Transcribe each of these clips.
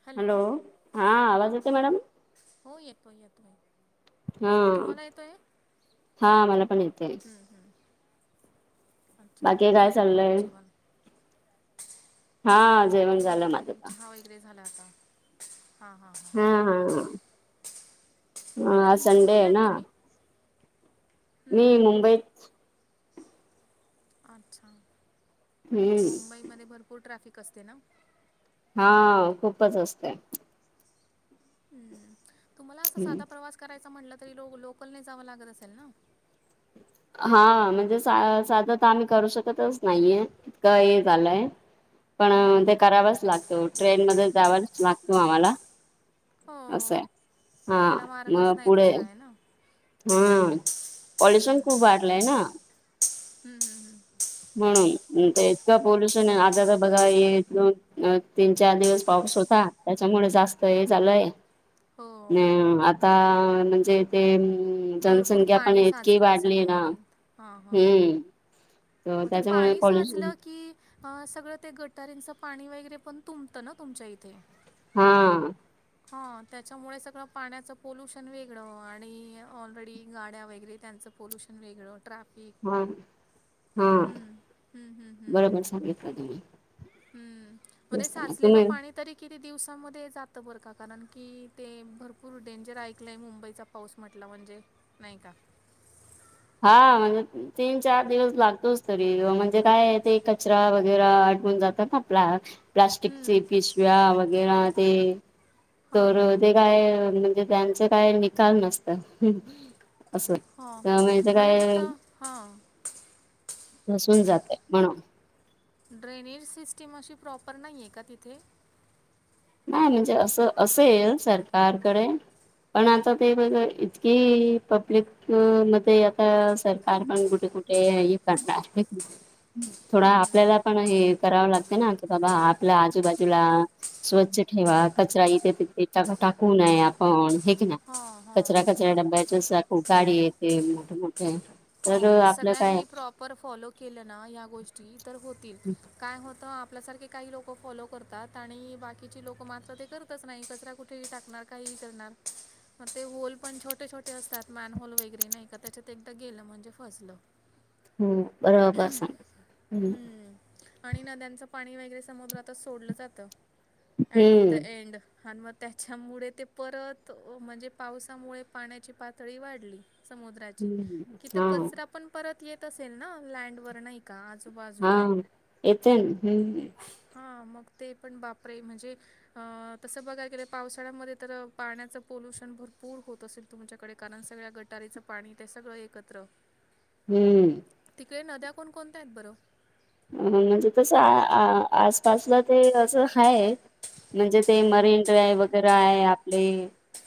ह [inaudible] हॅलो हा आवाज येत मॅडम हो येतो येतो हो हा हा मला पण येते [unintelligible] अच्छा बाकी काय झालं का मॅडम चाललंय जेवण हा बाकी जेवण झालं मजेत आहे माझं का चहा वगैरे झाला आता हा हां हा हां हा बरंर आज संडे कुठले आहे आहेत ना तुम्ही मी मुंबईत अच्छा हम्म मुंबईमध्ये भरपूर ट्रॅफिक असते ना हा खूपच असतें तुम्हांला असा हम्म साधा प्रवास करायचा म्हटलं तरी लो लोकल न जावं लागत असेल ना हा म्हणजे सा साधा तर आम्ही करू शकतच नाहीये इतकं हे झालंय पण हम्म, हम्म. ते करावच लागतो ट्रेन मध्ये जावच लागतो आम्हांला असं हो आहे हा त्याला मार्गच म नाही पुढे दुसरा आहे ना ह हम्म, पॉल्युशन हम्म. खूप वाढलंय ना हम्म हम्म हम्म म्हणून इतकं पॉल्युशन आहे आता तर बघा एक दोन तीन चार दिवस पाऊस होता त्यांच्यामुळे जास्त हे झालंय अ हो आता म्हणजे ते भरपूर जनसंख्या पण पाणी इतकी साचलं असेल वाढली ना मुंबईत हां हां हम्म तर मग ते त्याच्यामुळे पाणी पॉल्युशन साचलं की अ सगळं ते गटारांची पाणी वगैरे पण तुंबतं ना तुमच्या इथे हा हा त्याच्यामुळे सगळं पाण्याचं पोल्युशन वेगळं आणि ऑलरेडी गाड्या वगैरे त्यांचं पोल्युशन वेगळं ट्राफिक हा हा हं, बरोबर सांगले का तुम्ही हम्म मध्ये तेच ना साचलेलं तुम्ही पाणी तरी किती दिवसांमध्ये जातं बर का कारण की ते भरपूर डेंजर ऐकलंय मुंबईचा पाऊस म्हटला म्हणजे नाही का हा म्हणजे तीन चार दिवस लागतोच तरी म्हणजे काय ते कचरा वगैरे [inaudible] जातात ना आपल्या प्लास्टिक चे हं. पिशव्या वगैरे ते त हां, हां, हां. ते काय म्हणजे त्यांचं काय निकाल नसतं असं त्यामुळे ते म्हजे काय तिथं हां नसून जाते म्हणून ड्रेनेज सिस्टीम अशी प्रॉपर नाही आहे का तिथे नाही म्हणजे असं असेल सरकारकडे पण आता ते बघा इतकी पब्लिक अ मध्ये आता सरकार पण कुठे कुठे हे करणार थोडा आपल्याला पण हे करावं लागतं ना की बाबा आपल्या आजूबाजूला स्वच्छ ठेवा कचरा इथे तिथे टाकू नये आपण हो की नाय. हां हां कचरा कचरा डबच्यासख उ कााळी ते मोठे मोठे. तर हां आपलं काय सगळ्यांनी प्रॉपर फॉलो केलं ना या गोष्टी तर होतील. काय होत आपल्यासारखे काही लोक फॉलो करतात आणि बाकीची लोक मात्र ते करतात. तसं नाही कचरा कुठेही टाकणार काहीही करणार. मग ते होल पण छोटे छोटे असतात मॅन होल वगैरे नाही का त्यांच्यात एकदा गेलं म्हणजे फसलं हम्म बरोबर सांग हम्म आणि नद्यांचं पाणी वगैरे समुद्रातच सोडलं जातं ऍट द हम्म. एंड. आणि मग त्याच्यामुळे ते परत म्हणजे पावसामुळे पाण्याची पातळी वाढली. समुद्राची हम्म तिथ हा कचरा पण परत येत असेल ना लँड वर नाही का आजूबाजू. हा येत हम्म. हां मग ते पण बापरे म्हणजे. अ तसं बघायला गेले पावसाळ्यामध्ये तर पाण्याचं पोल्युशन भरपूर होत असेल. तुमच्याकडे कारण सगळ्या गटारीचं पाणी ते सगळं एकत्र. हम्म. तिकडे नद्या कोण कोणत्या आहेत बरं. अ म्हणजे तस आसपासला ते असं हाय म्हणजे ते मरीन ड्राइव्ह वगैरे आहे आपले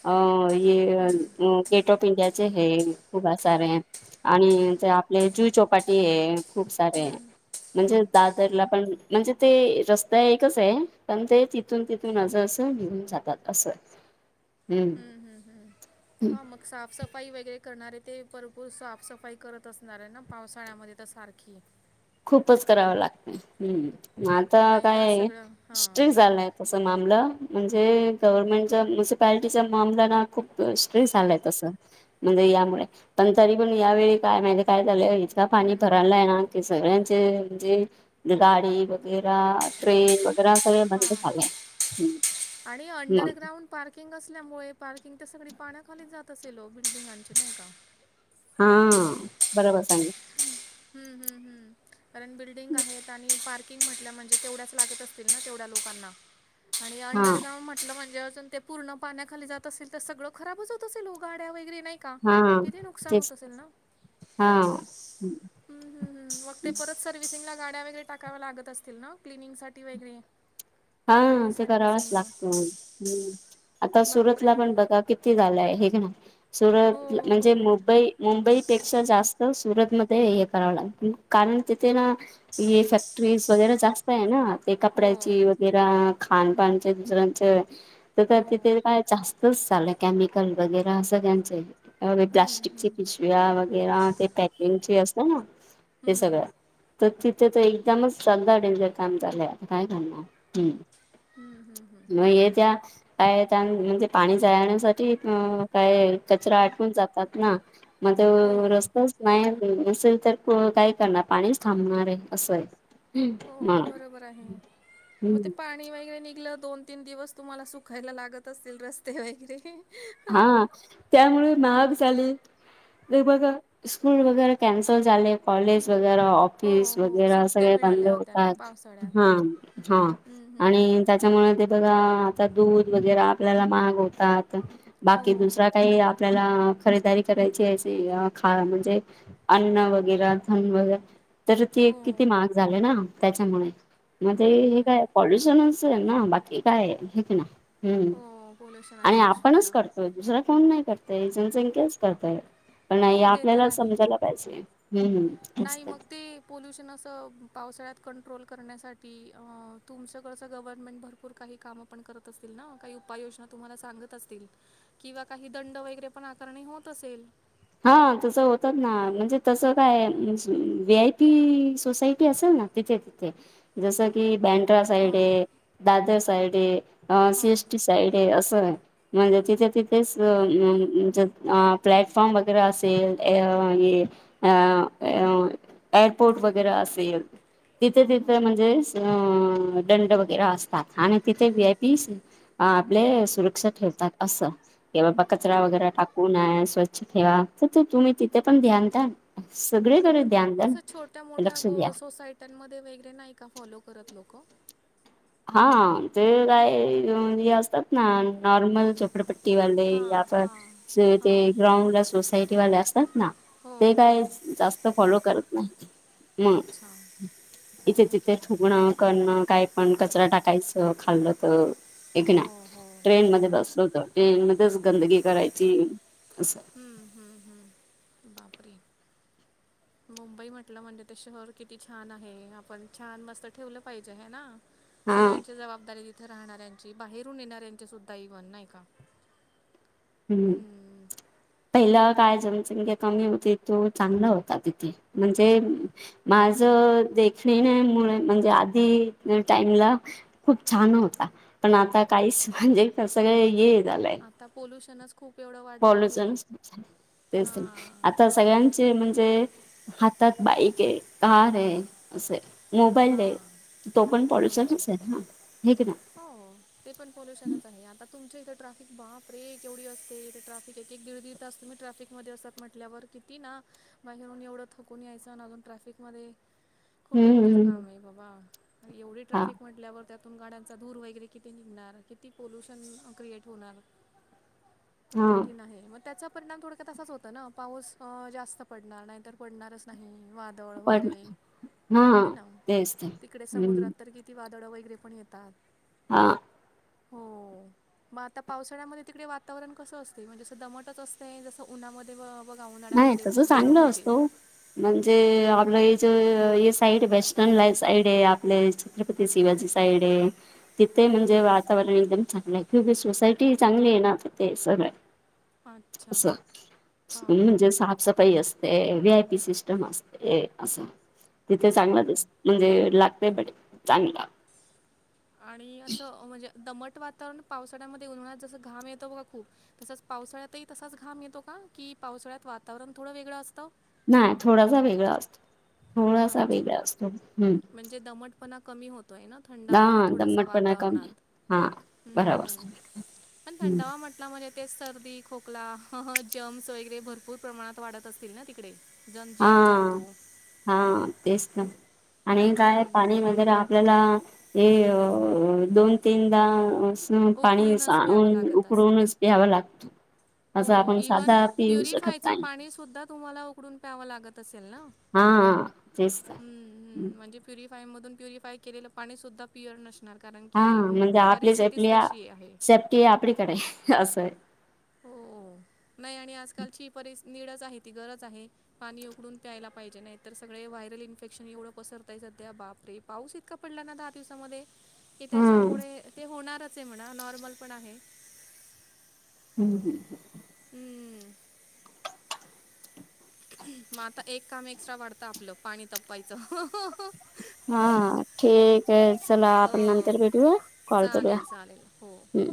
आपले. हम्म, [inaudible] गेट ऑफ इंडियाचे हे खूप आ सार आहे आणि ज आपले जुहू चौपाटी आहे. खूप सारे. हम्म. म्हणजे दादरला पण म्हणजे ते रस्ता एकच आहे पण ते तिथून तिथ. तिथून असं असं घेऊन जातात असं. हम्म हम् हम्म हा म. साफसफाई वगैरे करणारे ते भरपूर साफसफाई करत असणार आहे ना पावसाळ्यामध्ये तर सारखी. खूपच कराव लागत हम्म आता नाहीतर काय सगळं हां स्ट्रिक्ट झालाय. तसं मामलं म्हणजे गव्हर्नमेंटच्या म्युंसीपार्टी मामला ना खूप स्टिक्ट आलाय तसं. म्हणजे यामुळे पण तरी पण यावेळी काय माहिेत काय चालू आहे. त्या पाणी हं, भरालायना क सगळ्यांचे म्हणजे गाडी. ट्रेन वगैरा सगळे हां बंद झाले. आणि अंडरग्राऊंड पार्किंग असल्यामुळे पार्किंग तर सगळी पाण्याखाली जात असेलो बिल्डिंगांची नाही का हा बरोबर सांगे. हम्म हम्म कारण बिल्डिंग आहेत आणि पार म्हणजे तेवढ्याच लागत असतील ना तेवढ्या लोकांना आणि हा अंडरग्राउड म्हटल म्हणजे अजून. ते पूर्ण पाण्याखाली जात असेल तर सगळं खराबच होत असेल हो गाड्या वगैरे नाही. का हा किती नुकसान होत तेच असेल ना. हा. हम्म हम्म हम्म मग ते परत सर्व्हिसिंग ला गाड्या वगैरे टाकाव्या लागत असतील ना क्लनिंगं साठी वगैरे. [unintelligible] हा ते करावच सर्व्हिसिंगला लागतो आता सुरतला बापरे पण बघा कि. किती हे झालय हे क नई हो हो म्हणजे मुबई मुंबई पेक्षा जास्त सुरत मध्ये हे कराव लागत कारण तिथे ना. हे फॅक्टरीज वगैरे जास्त आहे ना ते हो कपड्याची खानपानचे दुसऱ्यांचे तर हो तर तिथे काय जास्त तच चाल केमिकल वगैरे सगळ्यांचे हम्म प्लास्टिक चे हम्म पिशवी. या वगैर ते पॅकिंगचे असत ना. हम्म ते हम्म सगळं तर तिथे तर एकदमच चांगला डेंजर काम झालंय आता काय करणार. हम् हम्म हम्म मग हम्म हे त्या काय त्या म्हणजे पाणी जाण साठी काय कचरा आटकून जातात ना मध्ये हो रस्तच नाही नसेल तर काय करणार पाणीच थांबणार आहे असं आहे हो हा बरोबर आहे मग ते पा पाणी वगैरे निघलं दोन तीन दिवस तुम्हाला सुखायला लागत असतील रस्ते वगैरे हा त्यामुळे महाग झाले बघा स्कूल वगैरे कॅन्सल झाले कॉलेज वगैरा ऑफ हो ऑफिस हो वगैरे सुट्ट्या सगळे बंद मिळाल्या होत्या ना होतात पावसाळ्यात हा हा हम्म हम्म हम्म आणि त्याच्यामुळे ते बघा आता दूध वगैरे आपल्याला महाग होतात हो बाकी दुसरा काही आपल्याला. खरेदारी करायची आहे ख म्हणजे अन्न वगैरे धन वगरे. तर ते हो किती मार्क झाले ना त्याच्यामुळे मग हे बरोबर आहे काय पॉल्युशन. ना बाकी काय हेच ना हो आणि पोल्युशनाचे आपणच दुष्परिणाम करतो. दुसरा कोन नाही करतय जनसंख्याच करतय पण नाही हो ते तर आपल्याला आहे समजायला पाहिजे. हम्म नाही मस्त मग ते पोल्युशन असं पावसाळ्यात कंट्रोल करण्यासाठी अ तुमच्याकडचं गव्हर्नमेंट भरपूर काही कामं ण करत असतील ना काही उपाययोजना तुम्हाला सांगत असतील किंवा काही दंड वगैरे पण आकारणी होत असेल हा तसं होतात ना म्हणजे तसं काय वी आय पी सोसायटी असेल ना तिथे तिथे जसं की बँक ्र सईड हां दादर सईड अ हां सीएस ड अस आहे म्हणजे तिथे तिथेच् ओके फॉम वगैरे असेल अ अ अ एअरपोर्ट वगैरे असेल तिथे हां हां तिथे म्हणजे दंड वगैरे असे आणि तिथे वही आय पी आपले सुरक्षा ठेवतात असं क बाबा कचरा हां वगैरे टाकू नय स्वचछ ेवा तर तुम्ही तिथे पण ध्यान द ना बरोबर मसं छोट्या मोठ्या लक्ष द्या सोसायट्यांमध्ये वगैरे नाही का फॉलो करत लोकं हा ते काय हे असतात ना नॉर्मल चोपडेपट्टी वाले या हां पण हां ते हां ग्राउंड ला सोसायटी वाले असतात ना हो ते हो काय जास्त फॉलो करत ना अच्छा इथे तिथे ओके ठथगणं करणं काय पण कचरा टाकायचं खाल्लं तर एकना हो हो ट्रेन हो मध्ये बसलो होत ट्रेन मध्येच गंदगी करायची असं ह् ह् ह् बापर मुंबई म्हटलं म्हणजे ते शहर किती छान आहे आपण छान मस्त ठेवलं पाहिजे ह ना हा सगळ्यांची जबाबदारी तिथे राहणाऱ्यांची बाहेरून येणाऱ्यांची सुद्धा इव्हन नाही का हम्म पहिलं काय जनसंख्या कमी होती तो चांगला होता तिथे म्हणजे माझ हम्म. देखणी मु म्हणजे आधी टाईमला खूप छान होता पण आता काहीच म्हणजे सगळ ये झालं ोल्युशनच खू एवढं वाढलं आहे पॉलून तेच हां आता हां सगळ्यांचे म्हणजे हातात बाईक आहे कार आहे असं आहे मोबाईल दे हां तो पण पडस बरोबर आहे असेल ना हे क ना हो ते पण पॉोल्युशनच आहे आता तुमच्या इथं ट्राफिक बाप रे एवढी असते इथे ट्राफिक एक एक दीड दीड तुम्ही ट्रॅफिकमध्येध्ये असतात म्हटल्यावर किती ना बाहेरून एवढं थकून यायचं ना अजून ट्रॅफिक मध्ये खूप हम्म डेंजर हम्म काम आहे बाबा एवढी हा ट्राफिक म्हण आपल्यावर त्यातून गाड्यांचा धूर वगैरे किती निघणार? किती पोलुशन क्रिएट होणार? खूप हा कठीण आहे मग त्याचा परिणाम थोडक्यात असाच होतो ना पाऊस जास्त पडणार नाही, तर पडणारच नाही वा दळ पण वारे हा आहे ना तेच ते तिकडे हम्म समुद्रात तर किती वादळं वगैरे पण येतात. हा हो मग आता पावसाळ्यामध्ये तिकडे वातावरण कसं असतंय म्हणजे असं दमटच असतेस कसं उन्हामध्ये व व नाही गावनळ्यामध्ये तसं खूप गरम चांगलं होते असतो. म्हणजे आपलं ह ज साईड वेस्टर्न ला साईड आहे आपल्या छत्रपती शिवाजी साईड तिथे हं. म्हणजे वातावरण एकदम चांगलं आहे किंी सोसायटी चांगली आहे ना तिथे सगळं अछा असं म्हणजे साफसफाई असते व्ही आय पी सिस्टम असते असं तिथे चांगला हो. दीस म्हणजे लागतय पाठी चागलं [unintelligible] आणि असं म्हणजे दमट वातावरण पावसाळ्यामध्ये उन्हाळ्यात जसं घाम येतो बघा खूप तसंच पावसाळ्यातही तसाच घाम येतो का की पावसाळ्यात वातावरण थोडं वेगळं असतं? नाही थोडासा वेगळा असतो, थोडासा अच्छा. वेगळा असतो ह् म्हणजे दमटपणा कमी होतोय ना थंडावा हा थोडासा दमटपणा कमी वातावरणात, हा. हुं बरोबर हुं सांग पण थंडावा म्हणजे ते सर्दी, खोकला ह ह जर्म्स वगैरे भरपूर प्रमाणात वाढत असतील ना तिकडे? जन हा जीव जंतू हा तेच तर आणि हम्म काय पाणी हम्म वगैरे आपल्याला हे दोन तीनदा अस पाणी अस उकडूनच प्यावं आणून लागत असेल. उकडूनच प्यावा लागतो. हो इव्हन प्युरिफायचं पाणी सुद्धा तुम्हांला उकडून प्यावं लागत असेल ना हा हा तेच तर प्युरिफाय मधून प्युरिफाय केलेलं पाणी सुद्धा प्युअर नसतं. कारण हा की परिस्थितीच तशी आहे. ते आपलीकडे आहे, असं आहे. हो नाही आणि आजकालची परि नीडच आहे, ती गरज आहे. पाणी उकडून प्यायला पाहिजे नाही तर सगळे व्हायरल इन्फेक्शन एवढं पसरतय सध्या बापरे! पाऊस इतका पडला ना दहा दिवसामध्ये की हम्म त्याच्यामुळे ते होणारच आहे म्हणा, नॉर्मल पण आहे. हुं हुं ह हुं मग आता एक काम एक्स्ट्रा वाढतं आपलं पाणी तापवायचं हा ठीक आहे चला आपण हो नंतर भेटूया, कॉल करूया. चालेल चालेल हो हम्म